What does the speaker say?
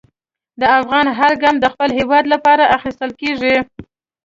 د افغان هر ګام د خپل هېواد لپاره اخیستل کېږي.